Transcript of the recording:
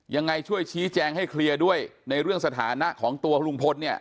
ยังไงช่วยชี้แจงให้เคลียร์ด้วยในเรื่องสถานะของตัวลุงพลเนี่ย